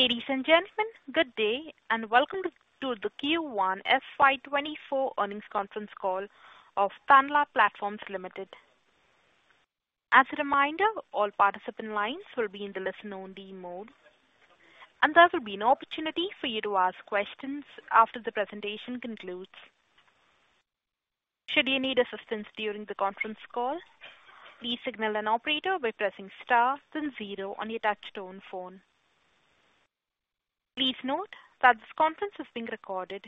Ladies and gentlemen, good day, and welcome to the Q1 FY 2024 earnings conference call of Tanla Platforms Limited. As a reminder, all participant lines will be in the listen-only mode, and there will be an opportunity for you to ask questions after the presentation concludes. Should you need assistance during the conference call, please signal an operator by pressing star then zero on your touchtone phone. Please note that this conference is being recorded.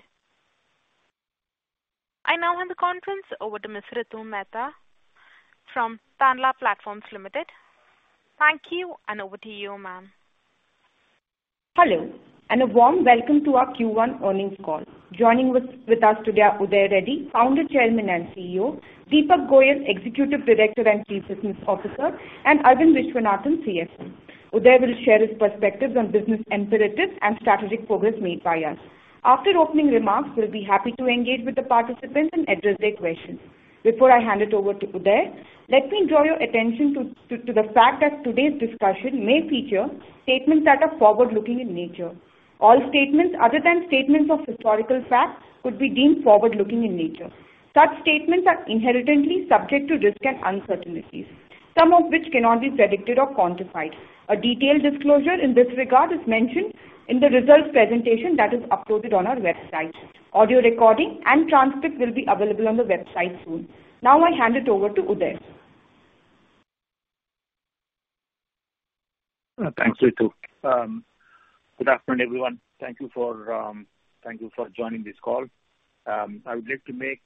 I now hand the conference over to Ms. Ritu Mehta from Tanla Platforms Limited. Thank you, and over to you, ma'am. Hello, and a warm welcome to our Q1 earnings call. Joining with us today are Uday Reddy, Founder, Chairman, and CEO; Deepak Goyal, Executive Director and Chief Business Officer; and Aravind Viswanathan, CSO. Uday will share his perspectives on business imperatives and strategic progress made by us. After opening remarks, we'll be happy to engage with the participants and address their questions. Before I hand it over to Uday, let me draw your attention to the fact that today's discussion may feature statements that are forward-looking in nature. All statements other than statements of historical fact could be deemed forward-looking in nature. Such statements are inherently subject to risk and uncertainties, some of which cannot be predicted or quantified. A detailed disclosure in this regard is mentioned in the results presentation that is uploaded on our website. Audio recording and transcript will be available on the website soon. Now I hand it over to Uday. Thanks, Ritu. Good afternoon, everyone. Thank you for joining this call. I would like to make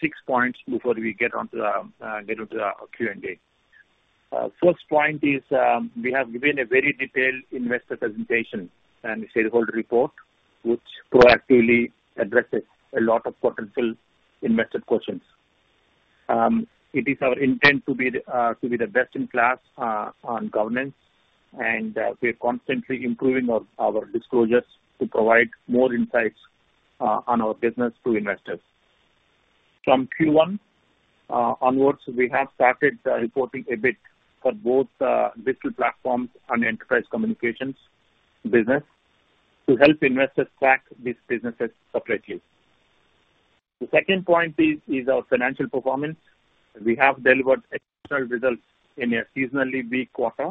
six points before we get onto the Q&A. First point is, we have given a very detailed investor presentation and shareholder report, which proactively addresses a lot of potential investor questions. It is our intent to be the best-in-class on governance, and we are constantly improving our disclosures to provide more insights on our business to investors. From Q1 onwards, we have started reporting a bit for both digital platforms and enterprise communications business to help investors track these businesses separately. The second point is our financial performance. We have delivered exceptional results in a seasonally weak quarter.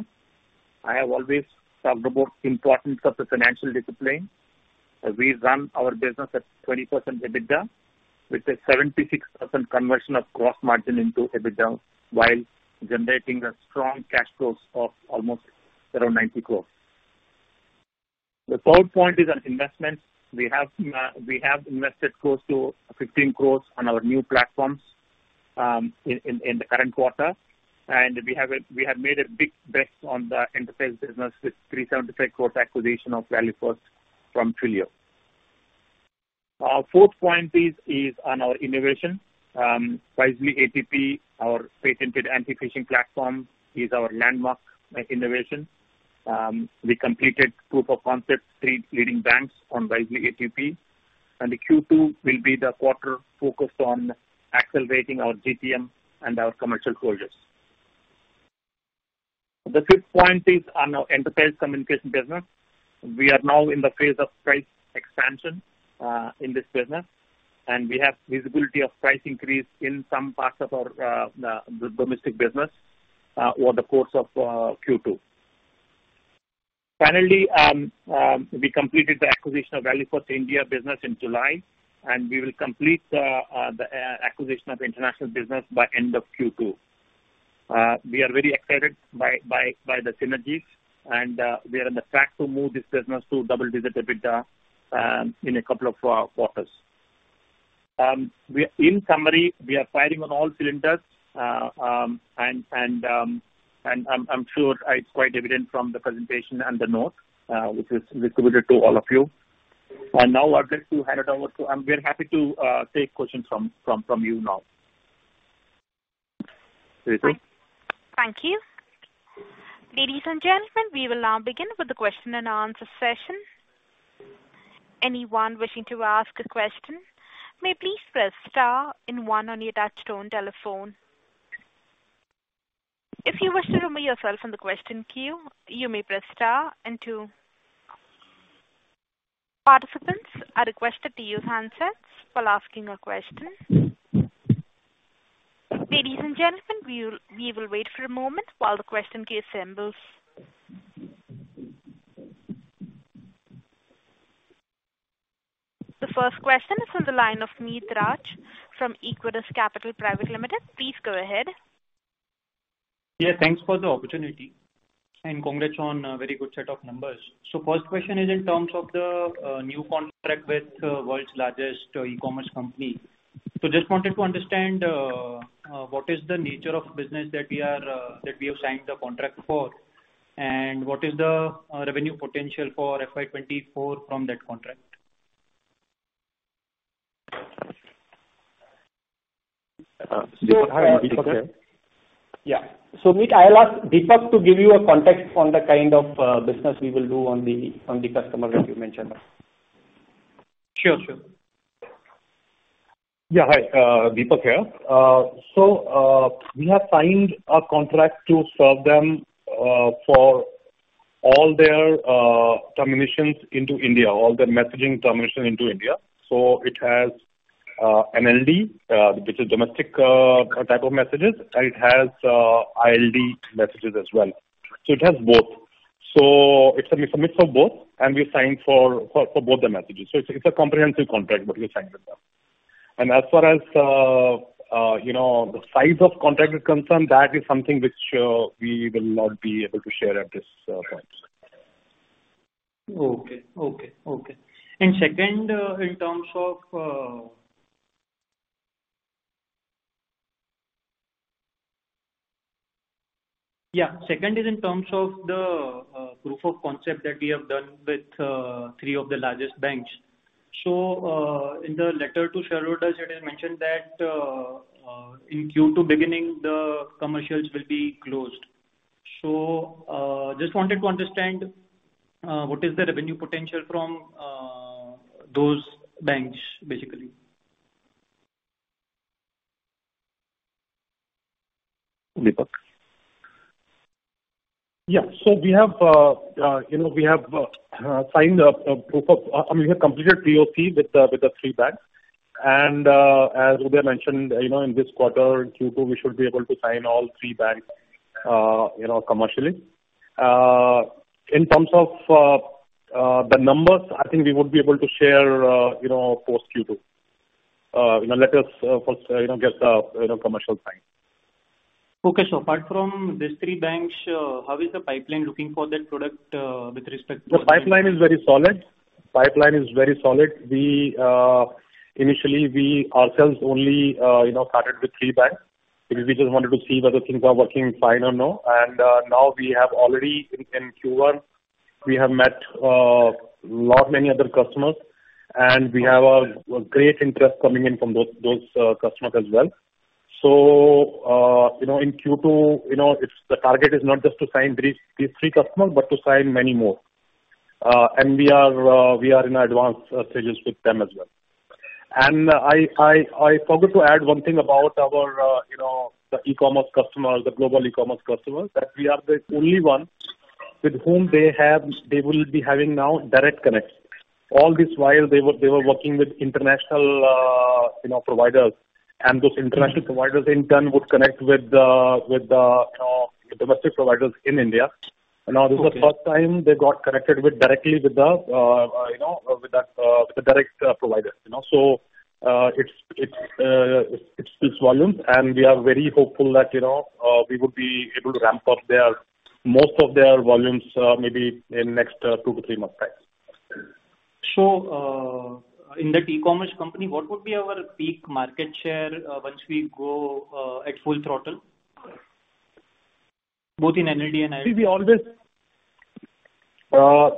I have always talked about importance of the financial discipline. We run our business at 20% EBITDA, with a 76% conversion of gross margin into EBITDA, while generating a strong cash flows of almost around 90 crores. The third point is on investments. We have invested close to 15 crores on our new platforms in the current quarter, and we have made a big bet on the enterprise business with 375 crores acquisition of ValueFirst from Twilio. Our fourth point is on our innovation. Wisely ATP, our patented anti-phishing platform, is our landmark innovation. We completed proof of concept, three leading banks on Wisely ATP, and the Q2 will be the quarter focused on accelerating our GTM and our commercial closures. The fifth point is on our enterprise communication business. We are now in the phase of price expansion in this business, and we have visibility of price increase in some parts of our domestic business over the course of Q2. Finally, we completed the acquisition of ValueFirst India business in July, and we will complete the acquisition of international business by end of Q2. We are very excited by the synergies, and we are on the track to move this business to double-digit EBITDA in a couple of quarters. In summary, we are firing on all cylinders, and I'm sure it's quite evident from the presentation and the notes which is distributed to all of you. Now I'd like to hand it over to... I'm very happy to take questions from you now. Ritu? Thank you. Ladies and gentlemen, we will now begin with the question-and-answer session. Anyone wishing to ask a question may please press star and 1 on your touchtone telephone. If you wish to remove yourself from the question queue, you may press star and two. Participants are requested to use handsets while asking a question. Ladies and gentlemen, we will wait for a moment while the question queue assembles. The first question is on the line of Meet Raj from Equirus Capital Private Limited. Please go ahead. Yeah, thanks for the opportunity, and congrats on a very good set of numbers. First question is in terms of the new contract with world's largest e-commerce company. Just wanted to understand what is the nature of business that we are that we have signed the contract for, and what is the revenue potential for FY 2024 from that contract? Deepak? Yeah. Meet, I'll ask Deepak to give you a context on the kind of business we will do on the, on the customer that you mentioned. Sure. Sure. Yeah, hi, Deepak here. We have signed a contract to serve them for all their terminations into India, all their messaging termination into India. It has NLD, which is domestic type of messages, and it has ILD messages as well. It has both. It's a mix of both, and we signed for both the messages. It's a comprehensive contract that we signed with them. As far as, you know, the size of contract is concerned, that is something which we will not be able to share at this point. Okay, okay. Second is in terms of the proof of concept that we have done with 3 of the largest banks. In the letter to shareholders, it is mentioned that in Q2 beginning, the commercials will be closed. Just wanted to understand what is the revenue potential from those banks, basically? Deepak. Yeah. We have, you know, we have signed up a proof of, I mean, we have completed POC with the, with the three banks. As Uday mentioned, you know, in this quarter, in Q2, we should be able to sign all three banks, you know, commercially. In terms of the numbers, I think we would be able to share, you know, post-Q2. You know, let us first, you know, get, you know, commercial sign. Okay. Apart from these three banks, how is the pipeline looking for that product, with respect to- The pipeline is very solid. We initially ourselves only, you know, started with 3 banks, because we just wanted to see whether things are working fine or no. Now we have already in Q1, we have met lot many other customers, and we have a great interest coming in from those customers as well. You know, in Q2, you know, the target is not just to sign these 3 customers, but to sign many more. We are in advanced stages with them as well. I forgot to add one thing about our, you know, the e-commerce customers, the global e-commerce customers, that we are the only one with whom they will be having now direct connect. All this while they were working with international, you know, providers. Those international providers in turn would connect with the, you know, the domestic providers in India. Okay. Now this is the first time they got connected with directly with the, you know, with the direct provider, you know. It's volumes, and we are very hopeful that, you know, we would be able to ramp up their, most of their volumes, maybe in next two to three months time. In that e-commerce company, what would be our peak market share, once we go, at full throttle, both in NLD and ILD?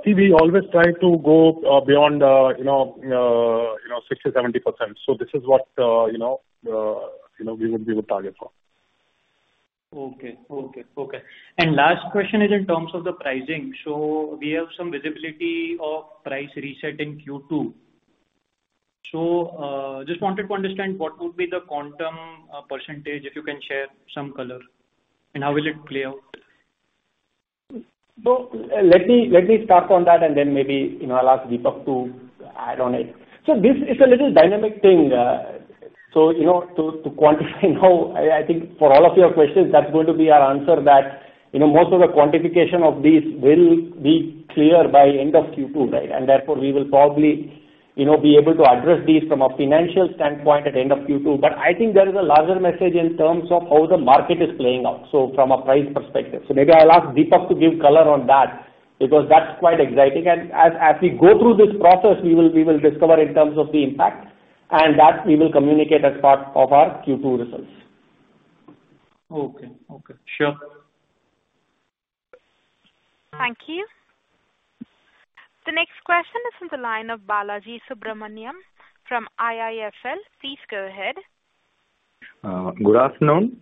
See, we always try to go, beyond, you know, you know, 60%-70%. This is what, you know, you know, we would target for. Okay, okay. Last question is in terms of the pricing. We have some visibility of price reset in Q2. Just wanted to understand what would be the quantum, percentage, if you can share some color, and how will it play out? Let me start on that, then maybe, you know, I'll ask Deepak to add on it. This is a little dynamic thing. you know, to quantify now, I think for all of your questions, that's going to be our answer that, you know, most of the quantification of these will be clear by end of Q2, right? Therefore, we will probably, you know, be able to address these from a financial standpoint at the end of Q2. I think there is a larger message in terms of how the market is playing out, so from a price perspective. Maybe I'll ask Deepak to give color on that, because that's quite exciting. As we go through this process, we will discover in terms of the impact, and that we will communicate as part of our Q2 results. Okay. Okay, sure. Thank you. The next question is from the line of Balaji Subramanian from IIFL. Please go ahead. Good afternoon.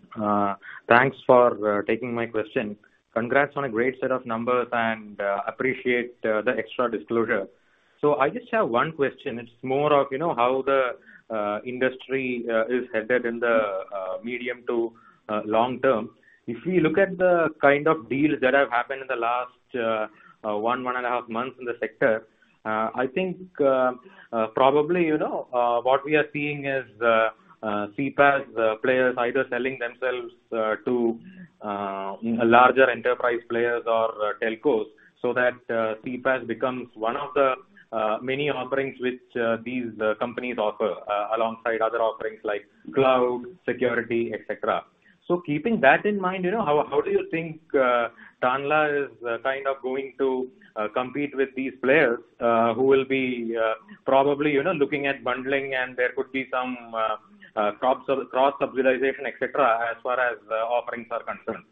Thanks for taking my question. Congrats on a great set of numbers, and appreciate the extra disclosure. I just have one question. It's more of, you know, how the industry is headed in the medium to long term. If we look at the kind of deals that have happened in the last one and a half months in the sector, I think probably, you know, what we are seeing is CPaaS players either selling themselves to larger enterprise players or telcos, so that CPaaS becomes one of the many offerings which these companies offer alongside other offerings like cloud, security, et cetera. Keeping that in mind, you know, how do you think Tanla is kind of going to compete with these players who will be probably, you know, looking at bundling, and there could be some cross subsidization, et cetera, as far as offerings are concerned?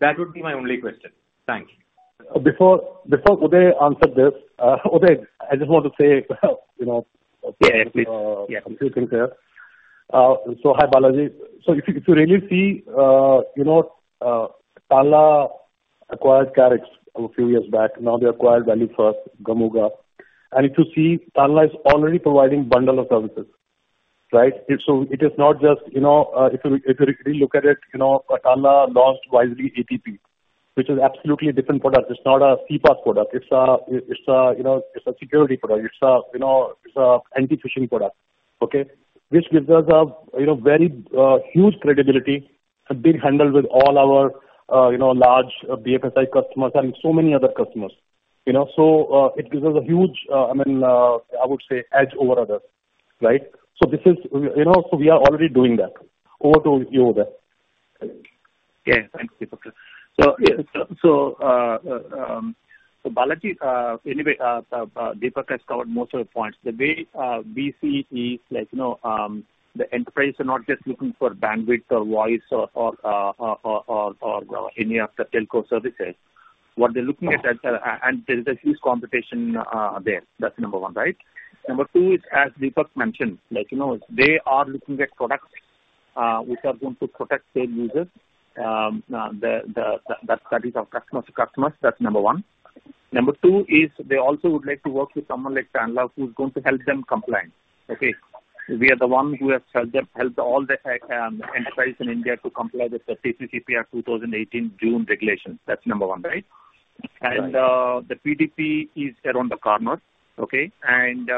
That would be my only question. Thank you. Before Uday answered this, Uday, I just want to say, you know. Yeah, yeah. A few things here. Hi, Balaji. If you, if you really see, you know, Tanla acquired Karix a few years back, now they acquired ValueFirst, Gamooga. If you see, Tanla is already providing bundle of services, right? If so, it is not just, you know, if you, if you really look at it, you know, Tanla launched Wisely ATP, which is absolutely different product. It's not a CPaaS product. It's a, it's a, you know, it's a security product. It's a, you know, it's a anti-phishing product. Okay? Which gives us a, you know, very huge credibility, a big handle with all our, you know, large BFSI customers and so many other customers, you know. It gives us a huge, I mean, I would say edge over others, right? This is, you know, so we are already doing that. Over to you, there. Thanks, Deepak. Balaji, anyway, Deepak has covered most of the points. The way we see is that, you know, the enterprise are not just looking for bandwidth or voice or any of the telco services. What they're looking at, and there is a huge competition there. That's number one, right. Number two is, as Deepak mentioned, like, you know, they are looking at products which are going to protect their users. The, that is our customers' customers. That's number one. Number two is they also would like to work with someone like Tanla, who's going to help them compliant, okay. We are the ones who have helped all the enterprises in India to comply with the CCPA 2018 June regulations. That's number one, right? Right. The PDP is around the corner, okay? We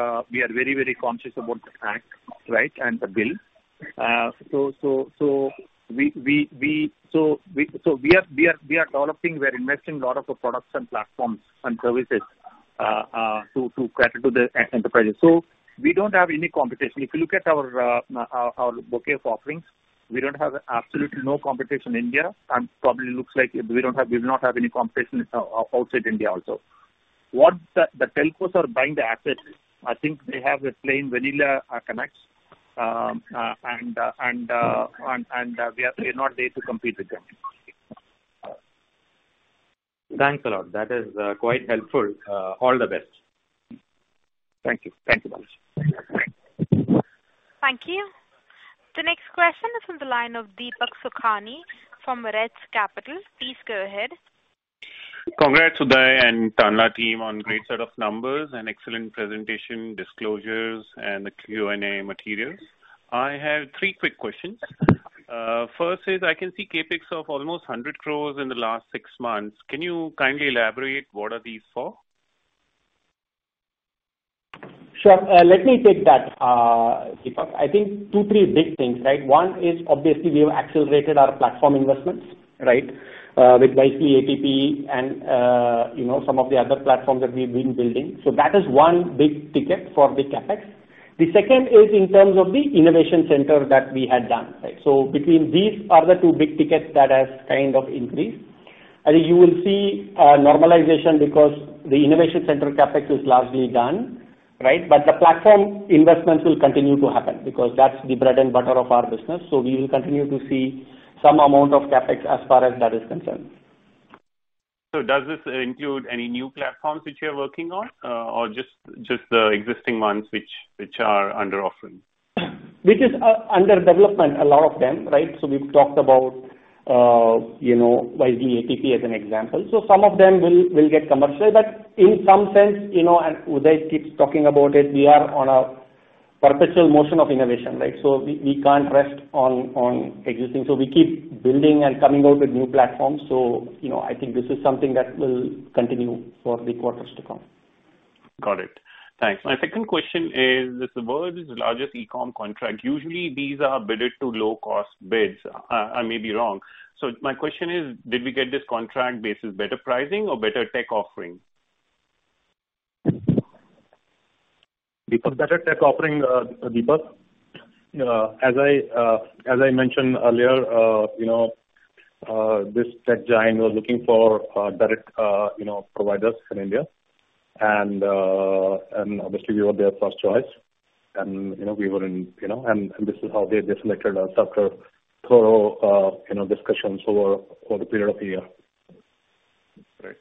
are very, very conscious about the act, right, and the bill. We are developing, we are investing a lot of products and platforms and services, to cater to the enterprises. We don't have any competition. If you look at our bouquet of offerings, we don't have absolutely no competition in India, and probably looks like we don't have, we will not have any competition outside India also. What the telcos are buying the assets, I think they have a plain vanilla, connects. We are not there to compete with them. Thanks a lot. That is quite helpful. All the best. Thank you. Thank you much. Thank you. The next question is on the line of Deepak Sukhani from Rets Capital. Please go ahead. Congrats, Uday and Tanla team, on great set of numbers and excellent presentation, disclosures, and the Q&A materials. I have three quick questions. First is, I can see CapEx of almost 100 crores in the last six months. Can you kindly elaborate what are these for? Sure. Let me take that, Deepak. I think 2, 3 big things, right? One is obviously we have accelerated our platform investments, right? With Wisely ATP and, you know, some of the other platforms that we've been building. That is one big ticket for the CapEx. The second is in terms of the innovation center that we had done, right? Between these are the 2 big tickets that has kind of increased. I think you will see a normalization because the innovation center CapEx is largely done, right? The platform investments will continue to happen, because that's the bread and butter of our business. We will continue to see some amount of CapEx as far as that is concerned. Does this include any new platforms which you're working on, or just the existing ones which are under offering? Which is under development, a lot of them, right? We've talked about, you know, Wisely ATP as an example. Some of them will get commercial, but in some sense, you know, and Uday keeps talking about it, we are on a perpetual motion of innovation, right? We can't rest on existing. We keep building and coming out with new platforms. You know, I think this is something that will continue for the quarters to come. Got it. Thanks. My second question is, the world's largest e-com contract, usually these are bidded to low-cost bids. I may be wrong. My question is: Did we get this contract based on better pricing or better tech offering? Deepak, better tech offering, Deepak? As I, as I mentioned earlier, you know, this tech giant was looking for, direct, you know, providers in India. Obviously we were their first choice. You know, we were in, you know. This is how they selected us after thorough, you know, discussions over, for the period of a year. Great.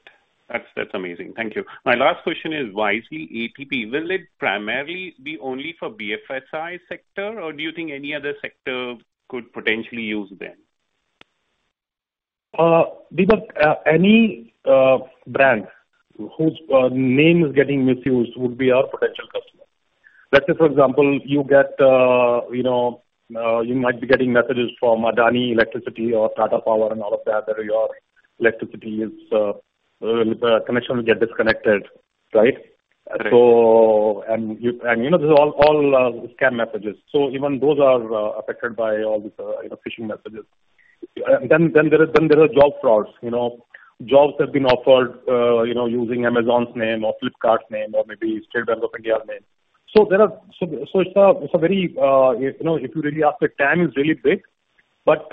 That's amazing. Thank you. My last question is Wisely ATP, will it primarily be only for BFSI sector, or do you think any other sector could potentially use them? Deepak, any brand whose name is getting misused would be our potential customer. Let's say, for example, you get, you know, you might be getting messages from Adani Electricity or Tata Power and all of that your electricity is connection will get disconnected, right? Right. You know, these are all scam messages. Even those are affected by all these, you know, phishing messages. There are job frauds, you know. Jobs have been offered, you know, using Amazon's name or Flipkart's name or maybe State Bank of India name. It's a very, you know, if you really ask, the TAM is really big, but,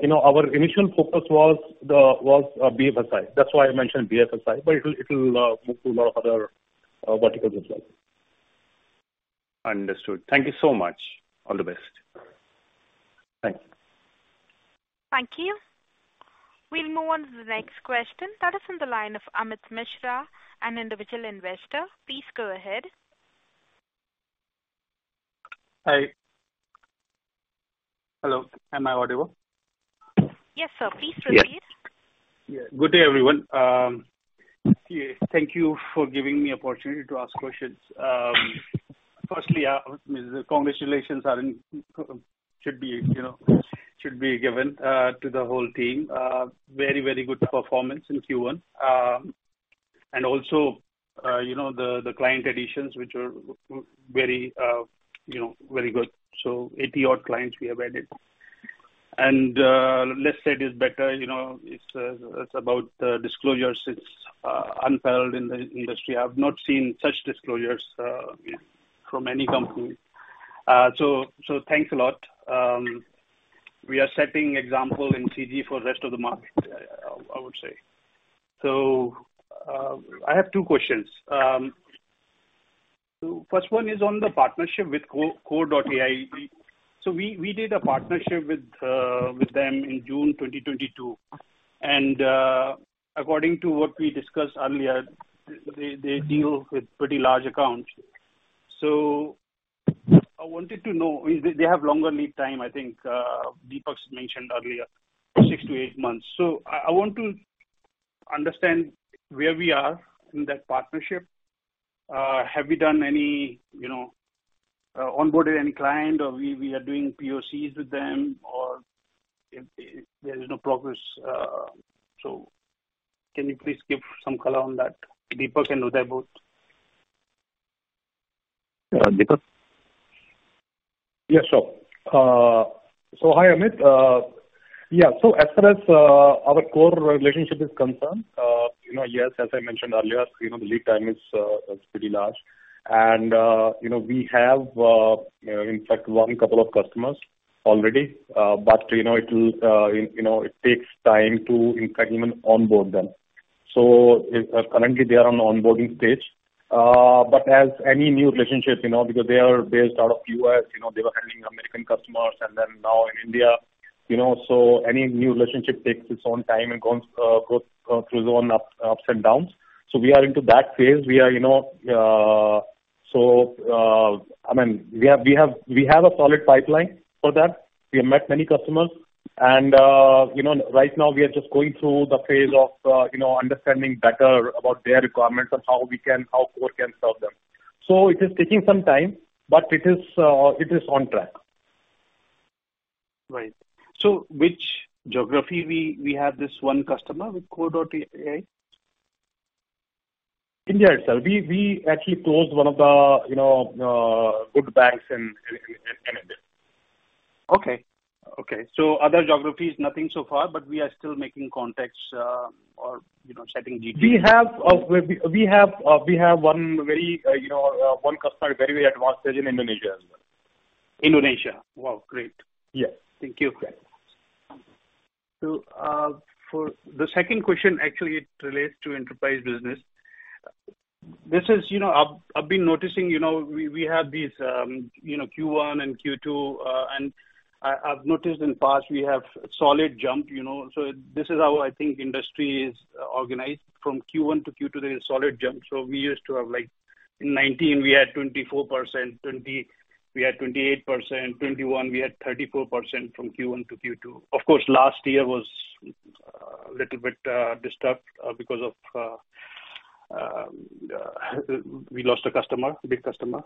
you know, our initial focus was the BFSI. That's why I mentioned BFSI, but it will move to a lot of other verticals as well. Understood. Thank you so much. All the best. Thank you. Thank you. We'll move on to the next question. That is on the line of Amit Mishra, an individual investor. Please go ahead. Hi. Hello, am I audible? Yes, sir, please proceed. Good day, everyone. Thank you for giving me opportunity to ask questions. Firstly, congratulations, are in, should be, you know, should be given to the whole team. Very, very good performance in Q1. Also, you know, the client additions, which are very, you know, very good. 80 odd clients we have added. Less said is better, you know, it's about the disclosures. It's unparalleled in the industry. I have not seen such disclosures from any company. Thanks a lot. We are setting example in CG for the rest of the market, I would say. I have two questions. First one is on the partnership with Kore.ai. We did a partnership with them in June 2022, according to what we discussed earlier, they deal with pretty large accounts. I wanted to know, they have longer lead time, I think Deepak mentioned earlier, 6-8 months. I want to understand where we are in that partnership. Have we done any, you know, onboarded any client or we are doing POCs with them, or if there is no progress? Can you please give some color on that? Deepak can know that both. Deepak? Yes, sure. Hi, Amit. Yeah, as far as our core relationship is concerned, you know, yes, as I mentioned earlier, you know, the lead time is pretty large. You know, we have in fact one couple of customers already, but, you know, it'll, you know, it takes time to in fact even onboard them. Currently they are on the onboarding stage. As any new relationship, you know, because they are based out of U.S., you know, they were handling American customers, and then now in India, you know, so any new relationship takes its own time and go through its own ups and downs. We are into that phase. We are, you know, I mean, we have a solid pipeline for that. We have met many customers and, you know, right now we are just going through the phase of, you know, understanding better about their requirements and how Kore.ai can serve them. It is taking some time, but it is, it is on track. Right. which geography we have this one customer with Kore.ai? India itself. We actually closed one of the, you know, good banks in India. Okay. Other geographies, nothing so far, but we are still making contacts, or, you know, setting GTM. We have one very, you know, one customer very advanced stage in Indonesia as well. Indonesia. Wow, great! Yeah. Thank you. For the second question, actually, it relates to enterprise business. This is, you know, I've been noticing, you know, we have these, you know, Q1 and Q2, and I've noticed in the past we have solid jump, you know, this is how I think industry is organized. From Q1 to Q2, there is solid jump. We used to have, like, in 19, we had 24%, 20, we had 28%, 21, we had 34% from Q1 to Q2. Of course, last year was little bit disturbed because of, we lost a customer, a big customer.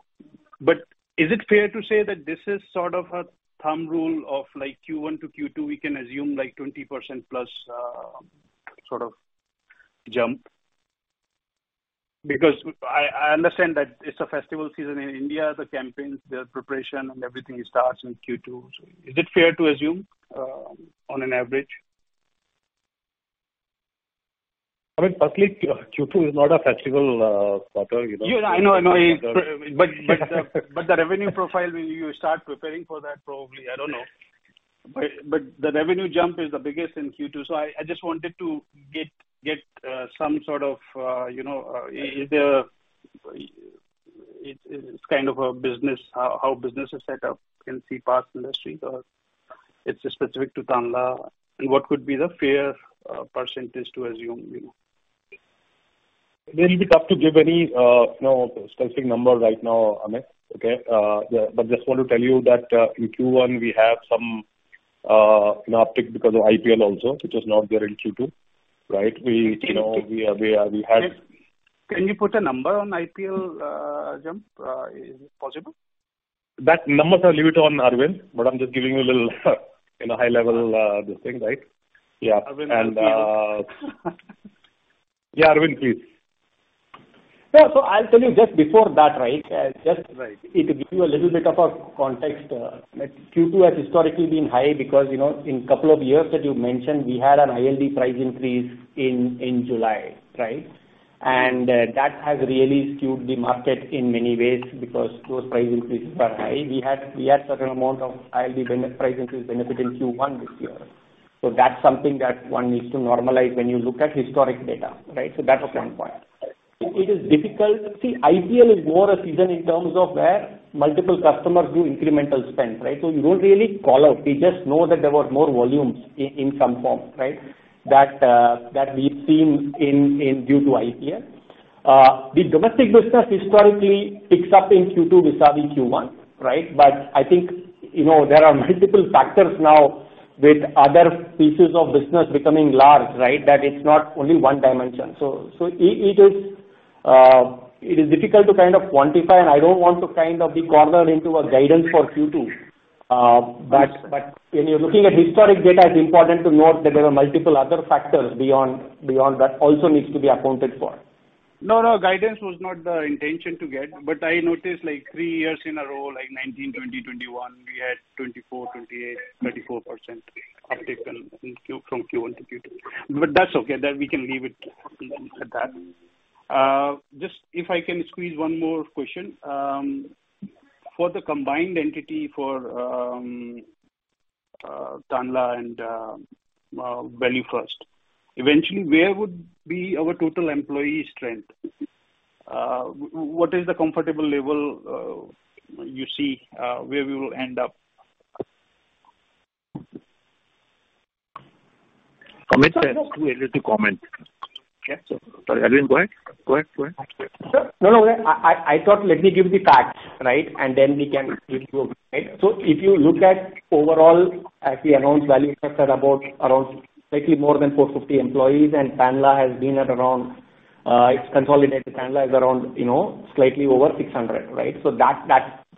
Is it fair to say that this is sort of a thumb rule of, like, Q1 to Q2, we can assume, like, 20%+ sort of jump? I understand that it's a festival season in India, the campaigns, the preparation and everything starts in Q2. Is it fair to assume, on an average? I mean, firstly, Q2 is not a festival quarter, you know? Yeah, I know, I know. But the revenue profile, when you start preparing for that, probably, I don't know. But the revenue jump is the biggest in Q2. I just wanted to get some sort of, you know, is there, it's kind of a business, how business is set up in CPaaS industry, or it's specific to Tanla, and what could be the fair % to assume, you know? It will be tough to give any, you know, specific number right now, Amit, okay? Just want to tell you that, in Q1, we have some, you know, uptick because of IPL also, which is not there in Q2, right? We, you know, we are. Can you put a number on IPL jump? Is it possible? That numbers I'll leave it on Aravind, but I'm just giving you a little, you know, high level, this thing, right? Yeah. Aravind- Yeah, Aravind, please. Yeah. I'll tell you just before that, right. Right. Just it give you a little bit of a context. Q2 has historically been high because, you know, in couple of years that you mentioned, we had an ILD price increase in July, right? That has really skewed the market in many ways because those price increases are high. We had certain amount of ILD price increase benefit in Q1 this year. That's something that one needs to normalize when you look at historic data, right? Okay. That's one point. It is difficult. See, IPL is more a season in terms of where multiple customers do incremental spend, right? You don't really call out. You just know that there were more volumes in some form, right? That we've seen in due to IPL. The domestic business historically picks up in Q2 vis-a-vis Q1, right? I think, you know, there are multiple factors now with other pieces of business becoming large, right? That it's not only one dimension. It is difficult to kind of quantify, and I don't want to kind of be cornered into a guidance for Q2. When you're looking at historic data, it's important to note that there are multiple other factors beyond that also needs to be accounted for. No, no, guidance was not the intention to get, but I noticed, like, 3 years in a row, like, 19, 20, 21, we had 24%, 28%, 34% uptake in Q-- from Q1 to Q2. That's okay, that we can leave it at that. Just if I can squeeze one more question. For the combined entity for Tanla and ValueFirst, eventually, where would be our total employee strength? What is the comfortable level you see where we will end up? Comment there. It's too early to comment. Yeah, sorry, Aravind, go ahead. Go ahead, go ahead. Sir, no, I thought let me give the facts, right, and then we can move forward, right? If you look at overall, as we announced, ValueFirst are about around slightly more than 450 employees, and Tanla has been at around, its consolidated Tanla is around, you know, slightly over 600, right?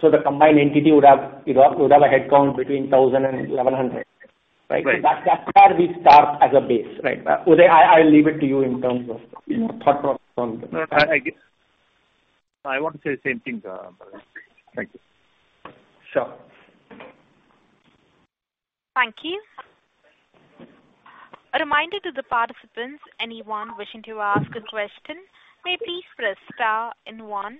The combined entity would have, you know, would have a headcount between 1,000 and 1,100, right? Right. That's where we start as a base, right. Uday, I'll leave it to you in terms of, you know, thought from there. No, I want to say the same thing, thank you. Sure. Thank you. A reminder to the participants, anyone wishing to ask a question, may please press star and one.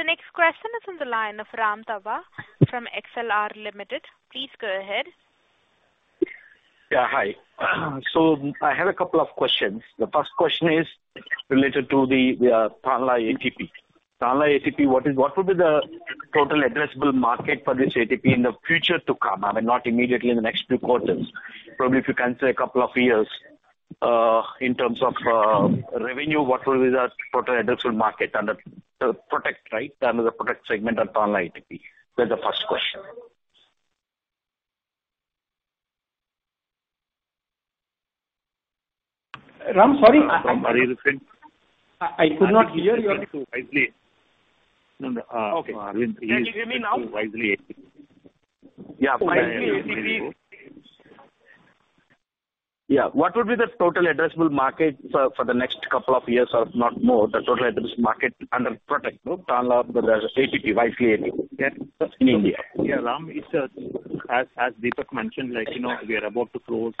The next question is on the line of Ram Tavva from XLR Limited. Please go ahead. Yeah, hi. I have a couple of questions. The first question is related to the Tanla ATP. Tanla ATP, what would be the total addressable market for this ATP in the future to come? I mean, not immediately in the next few quarters. Probably if you can say a couple of years, in terms of revenue, what will be the total addressable market under the protect, right, under the protect segment of Tanla ATP? That's the first question. Ram, sorry. Sorry, Aravind. I could not hear you. Wisely. Okay. Can you hear me now? Wisely ATP. Yeah. Wisely ATP. Yeah. What would be the total addressable market for the next couple of years, or if not more, the total addressable market under protect Tanla ATP, Wisely ATP? Yes. In India. Ram, as Deepak mentioned, like, you know, we are about to close,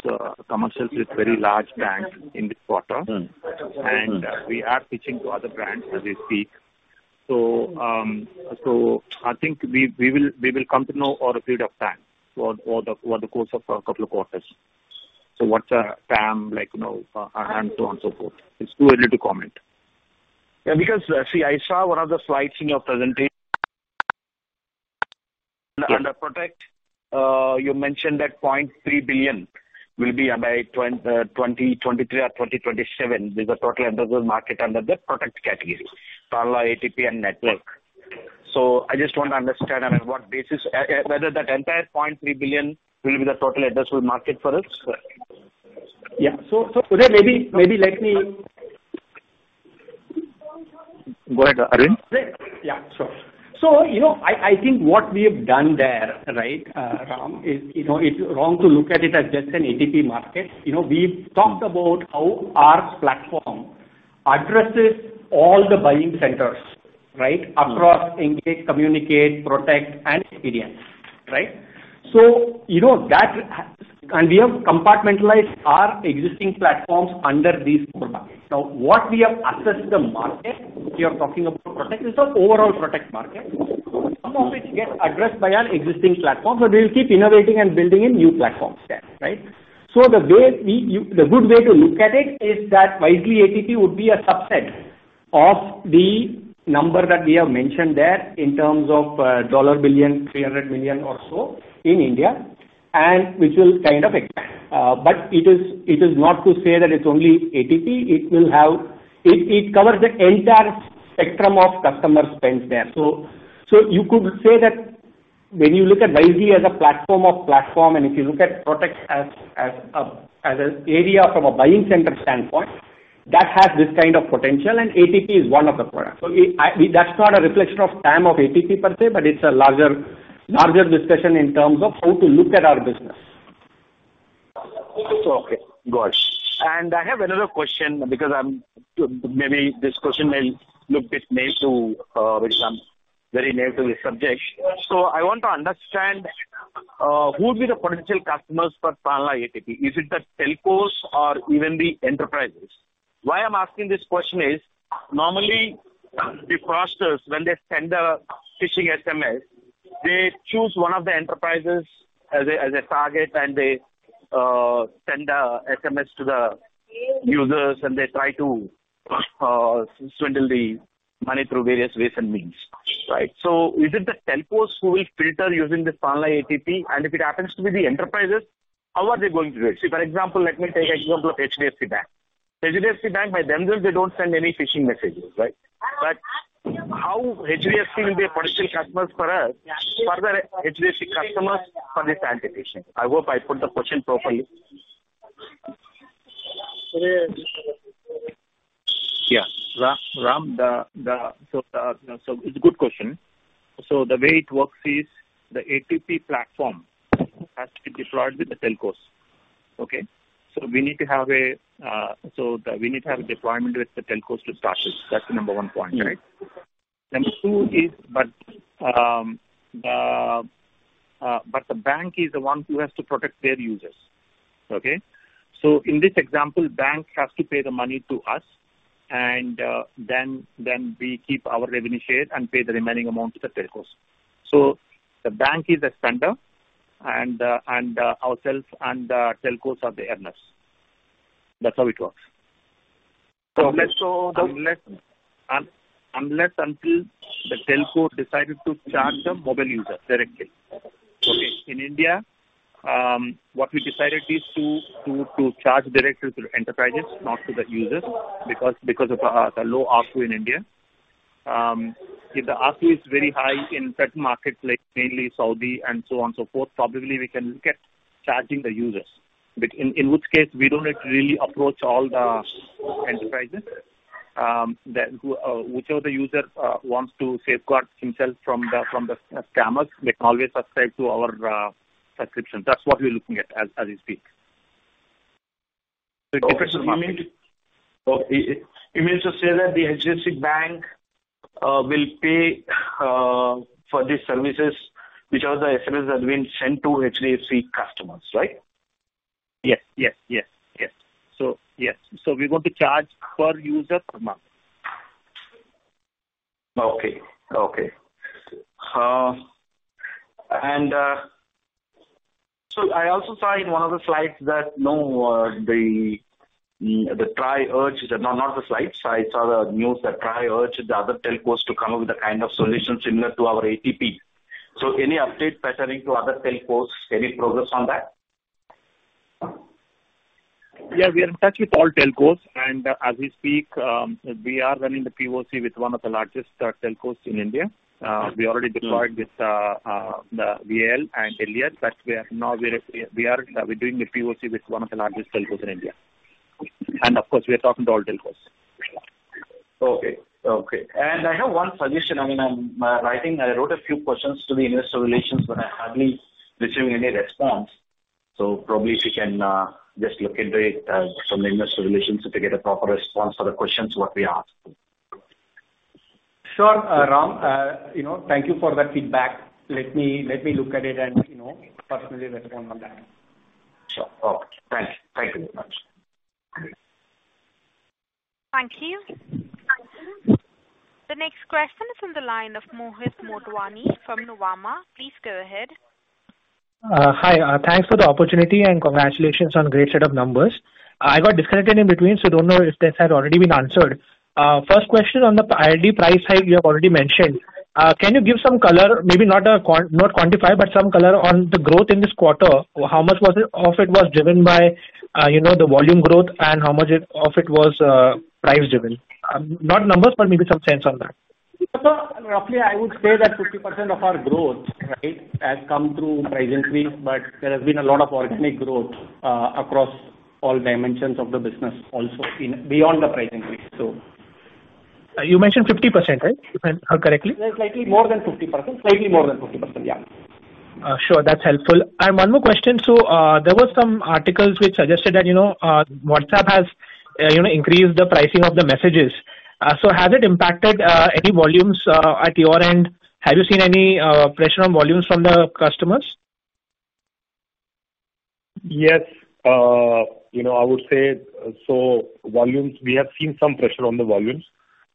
commercials with very large banks in this quarter. Mm-hmm. We are pitching to other brands as we speak. I think we will come to know over a period of time, over the course of 2 quarters. What's the TAM, like, you know, and so on so forth? It's too early to comment. Because, see, I saw one of the slides in your presentation. Under protect, you mentioned that $0.3 billion will be by 2023 or 2027, be the total addressable market under the product category, Tanla ATP and Network. I just want to understand on what basis, whether that entire $0.3 billion will be the total addressable market for us? Yeah. Uday maybe let me... Go ahead, Aravind. Sure. You know, I think what we have done there, right, Ram, is, you know, it's wrong to look at it as just an ATP market. You know, we've talked about how our platform addresses all the buying centers, right? Mm. Across engage, communicate, protect, and experience, right? You know, we have compartmentalized our existing platforms under these four buckets. What we have accessed the market, we are talking about protect, it's an overall protect market, some of which get addressed by our existing platform, but we will keep innovating and building in new platforms there, right? The good way to look at it is that Wisely ATP would be a subset of the number that we have mentioned there in terms of $1 billion, $300 million or so in India, and which will kind of, but it is not to say that it's only ATP, it covers the entire spectrum of customer spends there. You could say that when you look at Wisely as a platform of platform, and if you look at protect as an area from a buying center standpoint, that has this kind of potential, and ATP is one of the products. That's not a reflection of TAM or ATP per se, but it's a larger discussion in terms of how to look at our business. Okay, got it. I have another question, because maybe this question may look bit naive to which I'm very naive to this subject. I want to understand who would be the potential customers for Tanla ATP? Is it the telcos or even the enterprises? Why I'm asking this question is, normally, the fraudsters, when they send a phishing SMS, they choose one of the enterprises as a target, and they send a SMS to the users, and they try to swindle the money through various ways and means. Right. Is it the telcos who will filter using this Tanla ATP? If it happens to be the enterprises, how are they going to do it? For example, let me take example of HSBC Bank. HSBC Bank, by themselves, they don't send any phishing messages, right? How HSBC will be a potential customer for us, for the HSBC customers, for the sanitation. I hope I put the question properly. Yeah. Ram, the, it's a good question. The way it works is the ATP platform has to be deployed with the telcos. Okay? We need to have a deployment with the telcos to start it. That's the number one point, right? Yeah. Number two is, the bank is the one who has to protect their users. Okay? In this example, bank has to pay the money to us, and then we keep our revenue share and pay the remaining amount to the telcos. The bank is the spender, and ourselves and the telcos are the earners. That's how it works. Unless until the telco decided to charge the mobile user directly. Okay. In India, what we decided is to charge directly to the enterprises, not to the users, because of the low ARPU in India. If the ARPU is very high in certain markets, like mainly Saudi and so on, so forth, probably we can look at charging the users, but in which case, we don't need to really approach all the enterprises. Whichever the user wants to safeguard himself from the scammers, they can always subscribe to our subscription. That's what we're looking at as we speak. Okay. You mean to say that the HSBC Bank will pay for these services, which are the SMS that have been sent to HSBC customers, right? Yes. Yes. Yes. We want to charge per user per month. Okay. Okay. I saw the news that TRAI urged the other telcos to come up with a kind of solution similar to our ATP. Any update pertaining to other telcos? Any progress on that? Yeah, we are in touch with all telcos, and as we speak, we are running the POC with one of the largest telcos in India. We already deployed with the VL and Elliot, but we are now, we are doing the POC with one of the largest telcos in India. Of course, we are talking to all telcos. Okay. I have one suggestion. I mean, I wrote a few questions to the investor relations, but I hardly receiving any response. Probably if you can just look into it from the investor relations, to get a proper response for the questions what we asked. Sure, Ram, you know, thank you for that feedback. Let me look at it and, you know, personally respond on that. Sure. Okay. Thanks. Thank you very much. Thank you. The next question is on the line of Mohit Motwani from Nuvama. Please go ahead. Hi, thanks for the opportunity and congratulations on a great set of numbers. I got disconnected in between. Don't know if this had already been answered. First question on the ILD price hike you have already mentioned. Can you give some color, maybe not quantify, but some color on the growth in this quarter? How much was it, of it was driven by, you know, the volume growth, and how much of it was price driven? Not numbers, but maybe some sense on that. Roughly, I would say that 50% of our growth, right, has come through pricing. There has been a lot of organic growth across all dimensions of the business, also in beyond the pricing piece. You mentioned 50%, right? If I heard correctly. Slightly more than 50%. Slightly more than 50%, yeah. Sure. That's helpful. One more question: there were some articles which suggested that, you know, WhatsApp has, you know, increased the pricing of the messages. Has it impacted any volumes at your end? Have you seen any pressure on volumes from the customers? Yes, you know, I would say so volumes, we have seen some pressure on the volumes,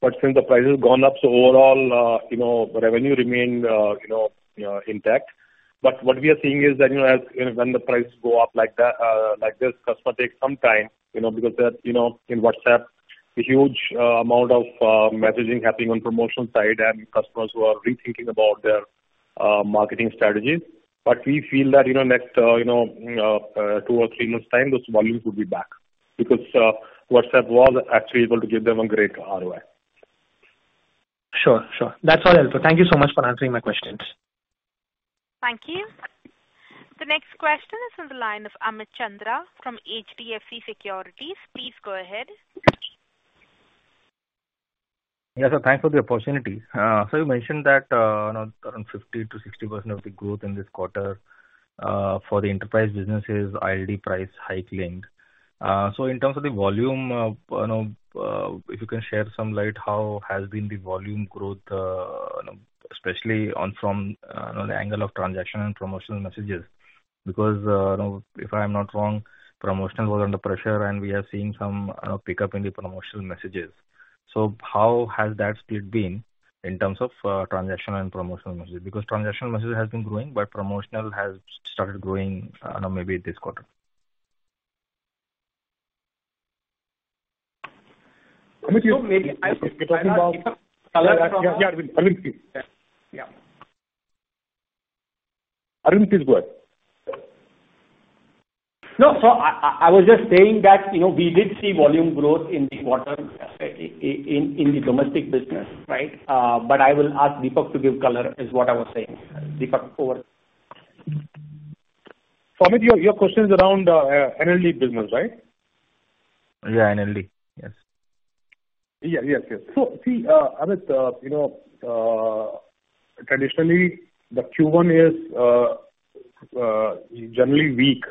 but since the price has gone up, so overall, you know, the revenue remained, you know, intact. What we are seeing is that, you know, as, you know, when the price go up like that, like this, customer takes some time, you know, because that, you know, in WhatsApp, a huge amount of messaging happening on promotion side and customers who are rethinking about their marketing strategies. We feel that, you know, next, you know, two or three months time, those volumes will be back, because WhatsApp was actually able to give them a great ROI. Sure. Sure. That's all, helpful. Thank you so much for answering my questions. Thank you. The next question is on the line of Amit Chandra from HDFC Securities. Please go ahead. Sir, thanks for the opportunity. You mentioned that, around 50%-60% of the growth in this quarter, for the enterprise business is ILD price hike linked. In terms of the volume, you know, if you can share some light, how has been the volume growth, you know, especially on from the angle of transaction and promotional messages? You know, if I'm not wrong, promotions were under pressure, and we have seen some pickup in the promotional messages. How has that split been in terms of transactional and promotional messages? Transactional messages has been growing, but promotional has started growing, you know, maybe this quarter. Maybe I will. Yeah. Arun is good. I was just saying that, you know, we did see volume growth in the quarter, in the domestic business, right? I will ask Deepak to give color, is what I was saying. Deepak, over. Amit, your question is around NLD business, right? Yeah, NLD. Yes. Yeah, yes. See, Amit, you know, traditionally, the Q1 is generally weak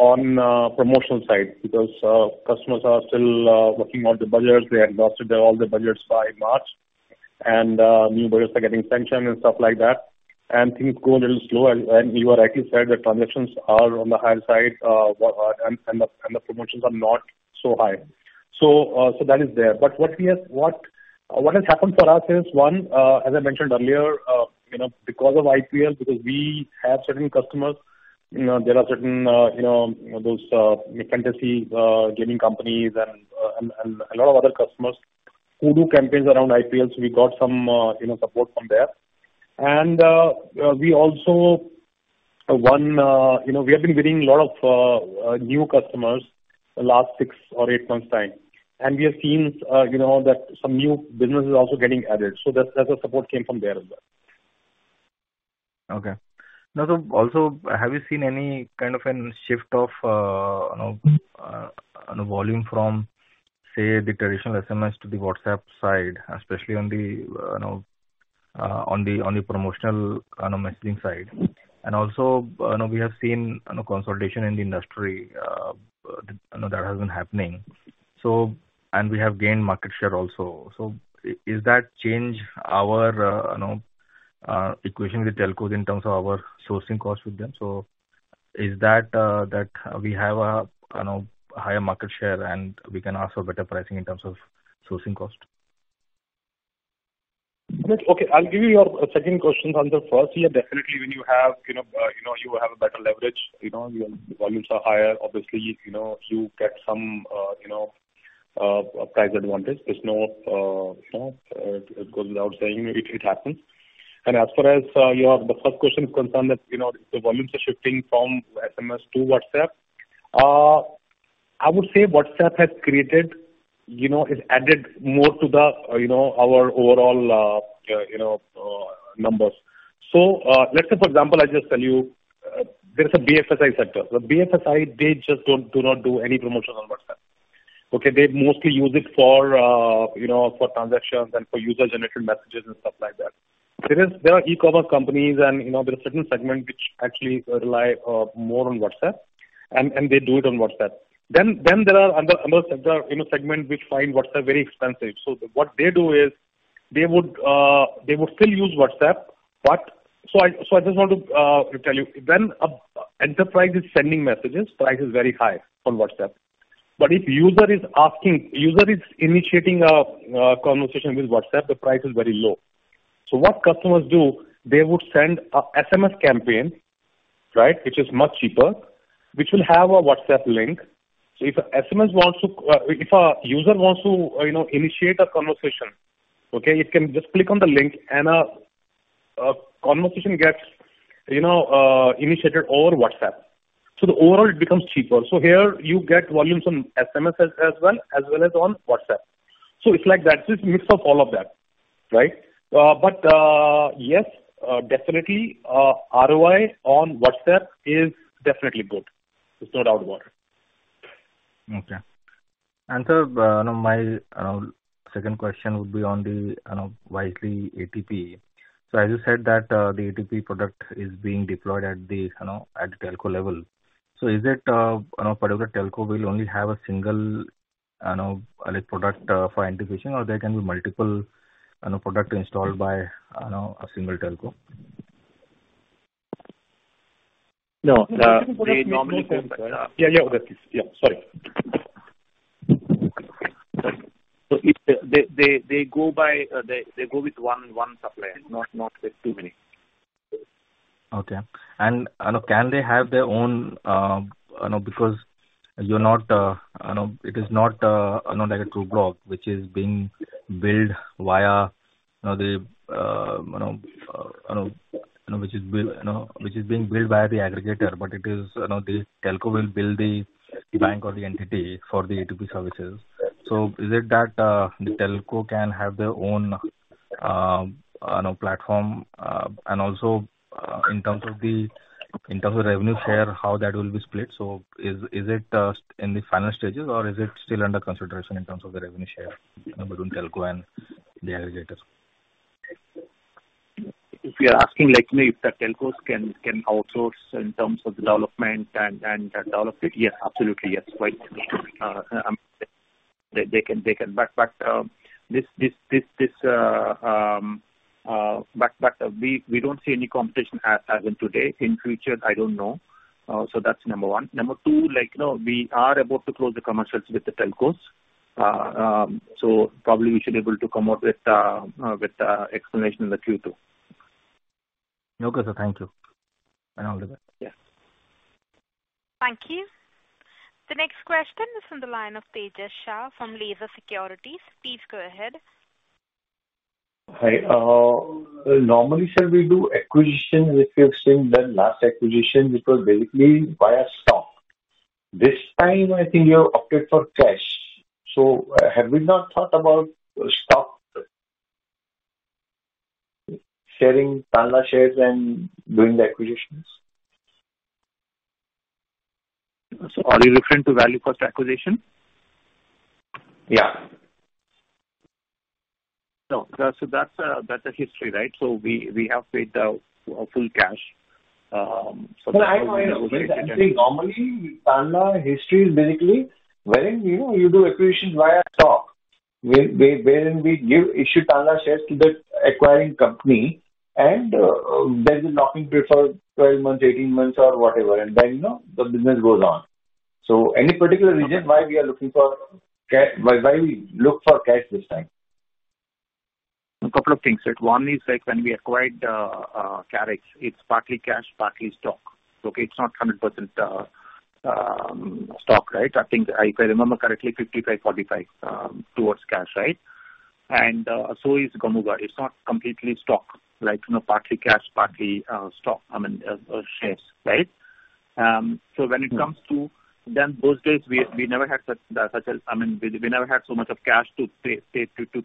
on promotional side because customers are still working on the budgets. They exhausted all their budgets by March, and new budgets are getting sanctioned and stuff like that, and things go a little slow. You rightly said, the transactions are on the higher side, and the promotions are not so high. That is there. What has happened for us is, one, as I mentioned earlier, you know, because of IPL, because we have certain customers, you know, there are certain, you know, those, fantasy, gaming companies and a lot of other customers who do campaigns around IPL, so we got some, you know, support from there. We also, one, you know, we have been getting a lot of, new customers the last 6 or 8 months' time. We have seen, you know, that some new business is also getting added, so that support came from there as well. Okay. Now, also, have you seen any kind of a shift of, you know, volume from, say, the traditional SMS to the WhatsApp side, especially on the, you know, on the promotional, you know, messaging side? Also, you know, we have seen, consolidation in the industry, you know, that has been happening. We have gained market share also. Is that change our, you know, equation with telcos in terms of our sourcing costs with them? Is that we have a, you know, higher market share, and we can ask for better pricing in terms of sourcing cost? Okay, I'll give you your second question. On the first, yeah, definitely when you have, you know, you have a better leverage, you know, your volumes are higher. Obviously, you know, you get some, you know, price advantage. There's no, you know, it goes without saying it happens. As far as, your the first question is concerned, that, you know, the volumes are shifting from SMS to WhatsApp. I would say WhatsApp has created, you know, it added more to the, you know, our overall, you know, numbers. Let's say, for example, I just tell you, there's a BFSI sector. The BFSI, they just don't, do not do any promotion on WhatsApp, okay? They mostly use it for, you know, for transactions and for user-generated messages and stuff like that. There is... There are e-commerce companies and, you know, there are certain segments which actually rely more on WhatsApp, and they do it on WhatsApp. Then there are other, you know, segment which find WhatsApp very expensive. What they do is they would still use WhatsApp, but. I just want to tell you, when a enterprise is sending messages, price is very high on WhatsApp, but if user is asking, user is initiating a conversation with WhatsApp, the price is very low. What customers do, they would send a SMS campaign, right, which is much cheaper, which will have a WhatsApp link. If a SMS wants to, if a user wants to, you know, initiate a conversation, okay, it can just click on the link, and a conversation gets, you know, initiated over WhatsApp. The overall it becomes cheaper. Here you get volumes on SMS as well as on WhatsApp. It's like that, it's mix of all of that, right? But, yes, definitely, ROI on WhatsApp is definitely good. It's no doubt about it. Okay. Sir, my second question would be on the, you know, Wisely ATP. As you said, that the ATP product is being deployed at the, you know, at the telco level. Is it, you know, particular telco will only have a single, you know, like, product for integration, or there can be multiple, you know, product installed by, you know, a single telco? No, yeah. Okay. Yeah, sorry. If they go by, they go with one supplier, not with too many. Okay. You know, can they have their own, you know, because you're not, you know, it is not like a true block which is being built via, you know, the, you know, which is being built by the aggregator, but it is, you know, the telco will build the bank or the entity for the ATP services. Is it that the telco can have their own, you know, platform? Also, in terms of the, in terms of revenue share, how that will be split? Is it in the final stages or is it still under consideration in terms of the revenue share, you know, between telco and the aggregators? If you are asking, like, maybe if the telcos can outsource in terms of the development and develop it, yes, absolutely, yes. They can. But this but we don't see any competition as in today. In future, I don't know. That's number 1. Number 2, like, you know, we are about to close the commercials with the telcos. Probably we should be able to come out with the explanation in the Q2. Okay, sir, thank you, and all the best. Yeah. Thank you. The next question is on the line of Tejas Shah from Laser Securities. Please go ahead. Hi. Normally, sir, we do acquisition, if you've seen the last acquisition, which was basically via stock. This time, I think you have opted for cash. Have we not thought about stock, sharing Tanla shares and doing the acquisitions? Are you referring to ValueFirst acquisition? Yeah. No. That's the history, right? We have paid full cash. No, I know. Normally, Tanla history is basically wherein, you know, you do acquisitions via stock, wherein we give issue Tanla shares to the acquiring company, and there's a locking period for 12 months, 18 months, or whatever, and then, you know, the business goes on. Any particular reason why we are looking for why we look for cash this time? A couple of things, right. One is like when we acquired Karix, it's partly cash, partly stock. Okay? It's not 100% stock, right? I think, if I remember correctly, 55, 45 towards cash, right? So is Gamooga. It's not completely stock, like, you know, partly cash, partly stock, I mean, shares, right? When it comes to those days, we never had such a, I mean, we never had so much of cash to pay to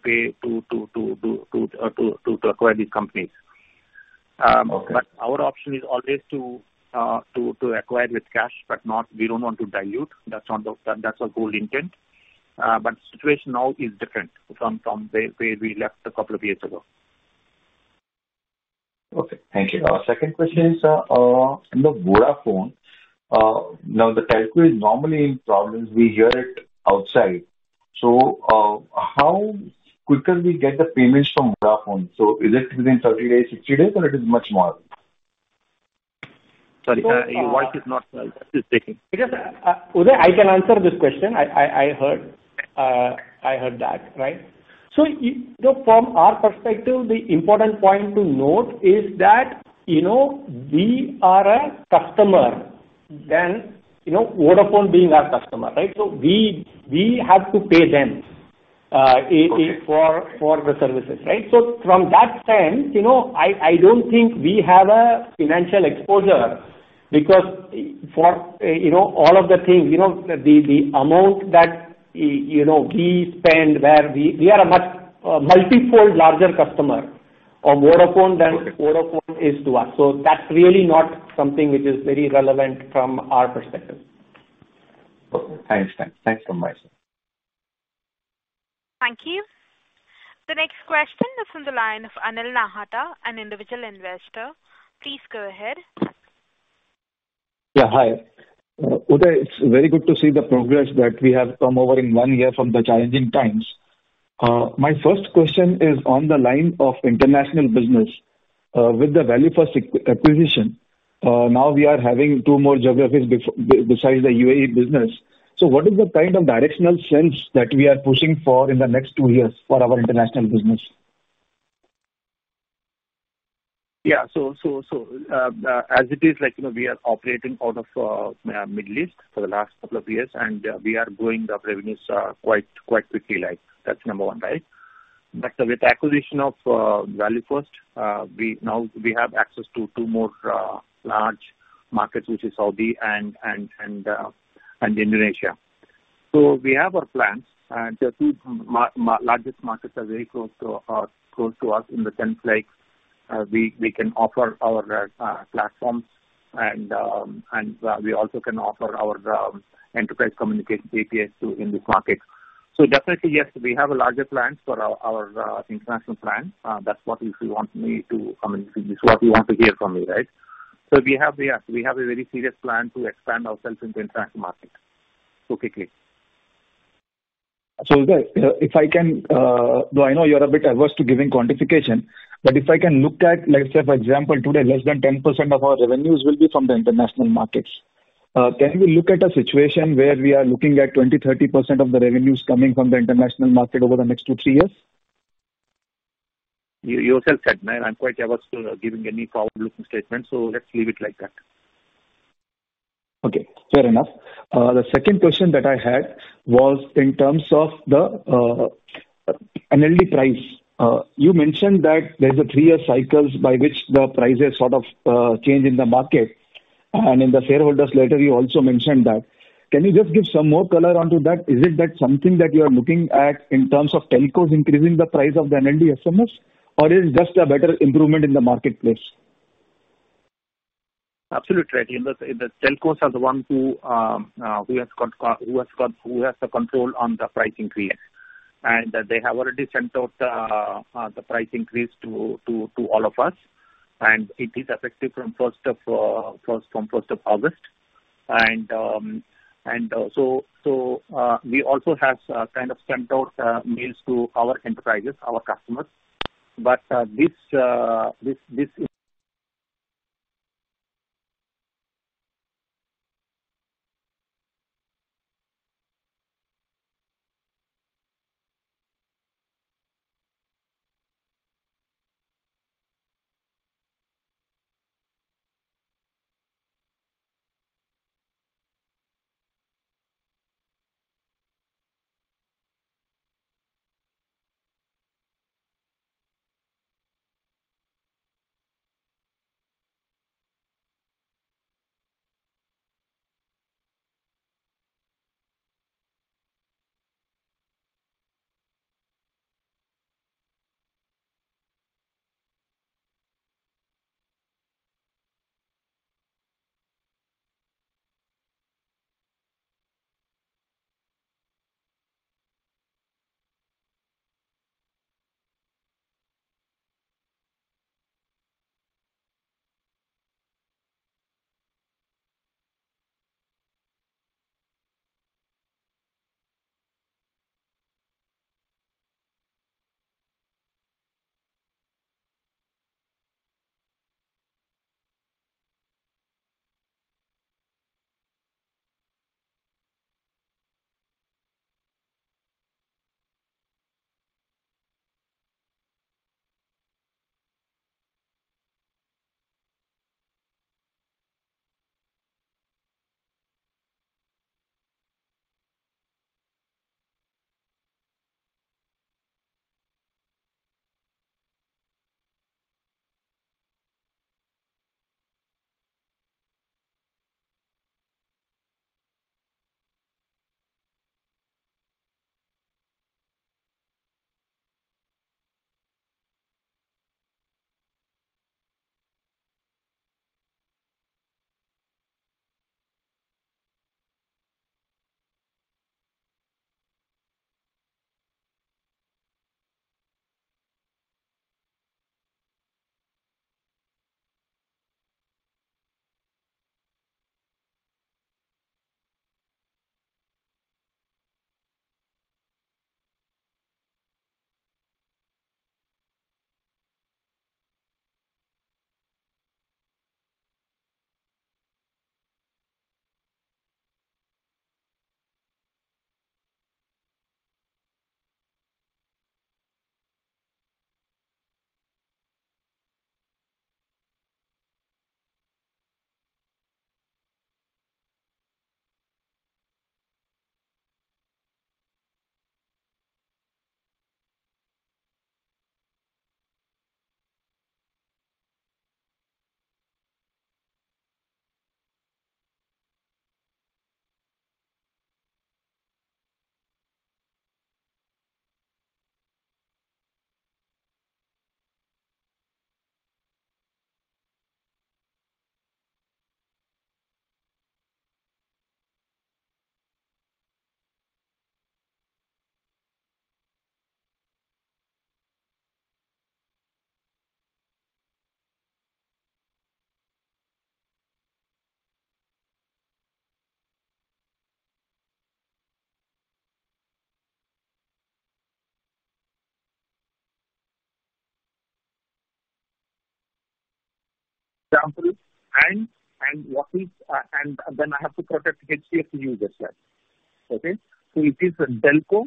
acquire these companies. Okay. Our option is always to acquire with cash, but we don't want to dilute. That's not the... That's our goal intent. The situation now is different from where we left 2 years ago. Okay, thank you. Second question is on the Vodafone. Now the telco is normally in problems. We hear it outside. How quicker we get the payments from Vodafone? Is it within 30 days, 60 days, or it is much more? Sorry, your voice is not, is breaking. Uday, I can answer this question. I heard that, right. From our perspective, the important point to note is that, you know, we are a customer, you know, Vodafone being our customer, right. We have to pay them. Okay. for the services, right? From that sense, you know, I don't think we have a financial exposure because for, you know, all of the things, you know, the amount that you know, we are a much, a multifold larger customer on Vodafone. Okay. Vodafone is to us. That's really not something which is very relevant from our perspective. Okay. I understand. Thanks so much. Thank you. The next question is from the line of Anil Nahata, an individual investor. Please go ahead. Yeah, hi. Uday, it's very good to see the progress that we have come over in one year from the challenging times. My first question is on the line of international business. With the Value First acquisition, now we are having two more geographies besides the UAE business. What is the kind of directional sense that we are pushing for in the next two years for our international business? As it is, like, you know, we are operating out of Middle East for the last couple of years, and we are growing the revenues quite quickly like. That's number 1, right? With the acquisition of ValueFirst, we now have access to 2 more large markets, which is Saudi and Indonesia. We have our plans, and the 2 largest markets are very close to us, in the sense like, we can offer our platform, and we also can offer our enterprise communication APIs to in this market. Definitely, yes, we have larger plans for our international plan. That's what if you want me to, I mean, this is what you want to hear from me, right? Yes, we have a very serious plan to expand ourselves into international markets so quickly. Uday, if I can, though I know you're a bit averse to giving quantification, but if I can look at, let's say, for example, today, less than 10% of our revenues will be from the international markets. Can we look at a situation where we are looking at 20%, 30% of the revenues coming from the international market over the next 2, 3 years? You yourself said, man, I'm quite averse to giving any forward-looking statements, so let's leave it like that. Okay, fair enough. The second question that I had was in terms of the NLD price. You mentioned that there's a three-year cycles by which the prices sort of, change in the market, and in the shareholders letter, you also mentioned that. Can you just give some more color onto that? Is it that something that you are looking at in terms of telcos increasing the price of the NLD SMS, or is it just a better improvement in the marketplace? Absolutely, right. The telcos are the ones who has the control on the price increase. They have already sent out the price increase to all of us, and it is effective from first of August. We also have kind of sent out emails to our enterprises, our customers. This. ... and what is, and then I have to protect HCF users as well. Okay? It is a telco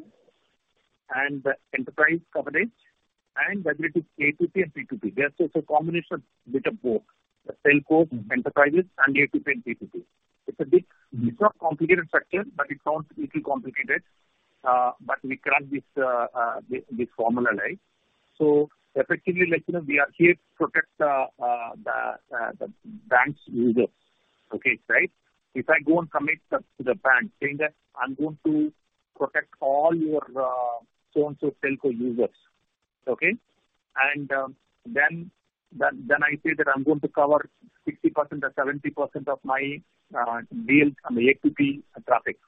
and enterprise coverage, and whether it is A2P and P2P. Yes, it's a combination bit of both, the telco, enterprises, and A2P and P2P. It's not complicated structure, but it sounds little complicated, but we crack this formula, right? Effectively, like, you know, we are here to protect the bank's users. Okay, right? If I go and commit to the bank, saying that I'm going to protect all your so-and-so telco users, okay? Then I say that I'm going to cover 60% or 70% of my deals on the A2P traffic.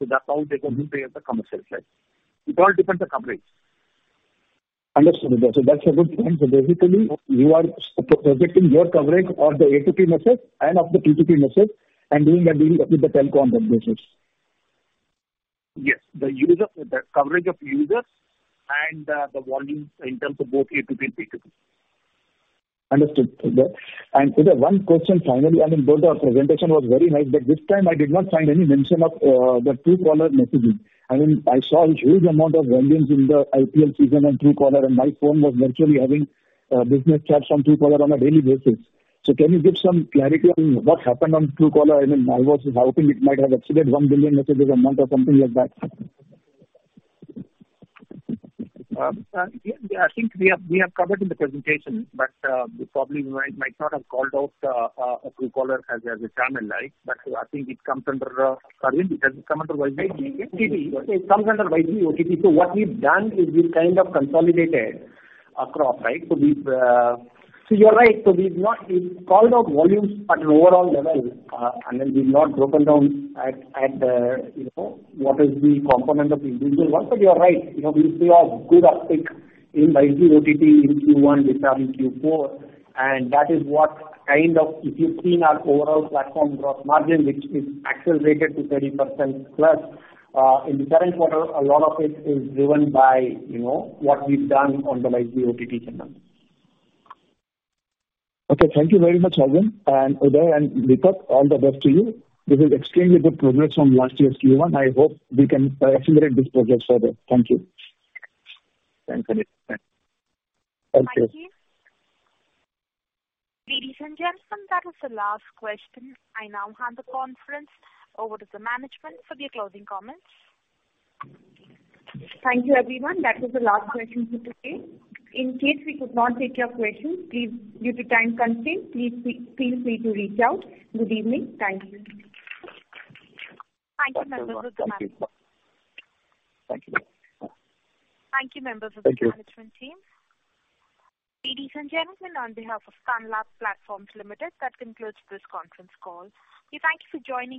That's how they going to pay us the commercial side. It all depends on the coverage. Understood. That's a good point. Basically, you are protecting your coverage of the A2P message and of the P2P message, and doing a deal with the telco on that basis. Yes. The user, the coverage of users and the volumes in terms of both A2P and P2P. Understood. Uday, one question finally, I mean, both our presentation was very nice, this time I did not find any mention of the Truecaller messaging. I mean, I saw a huge amount of volumes in the IPL season on Truecaller, my phone was virtually having business chats on Truecaller on a daily basis. Can you give some clarity on what happened on Truecaller? I mean, I was hoping it might have exceeded 1 billion messages a month or something like that. Yeah, I think we have covered in the presentation, we probably might not have called out Truecaller as a channel, right? I think it comes under... Aravind, does it come under YG? YG. It comes under YG, OTT. What we've done is we've kind of consolidated across, right? You're right. We've called out volumes at an overall level, and then we've not broken down at the, you know, what is the component of individual one. You are right. You know, we see a good uptick in ILD, OTT in Q1, which are in Q4, and that is what kind of if you've seen our overall platform gross margin, which is accelerated to 30% plus in the current quarter, a lot of it is driven by, you know, what we've done on the ILD, OTT channel. Okay, thank you very much, Aravind and Uday, and Deepak, all the best to you. This is extremely good progress from last year's Q1. I hope we can accelerate this progress further. Thank you. Thanks, Amit. Thank you. Thank you. Ladies and gentlemen, that was the last question. I now hand the conference over to the management for their closing comments. Thank you, everyone. That was the last question for today. In case we could not take your question, due to time constraint, feel free to reach out. Good evening. Thank you. Thank you, members of the management. Thank you. Thank you, members of the management team. Thank you. Ladies and gentlemen, on behalf of Tanla Platforms Limited, that concludes this conference call. We thank you for joining us.